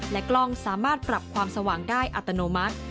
กล้องสามารถปรับความสว่างได้อัตโนมัติ